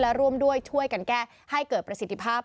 และร่วมด้วยช่วยกันแก้ให้เกิดประสิทธิภาพ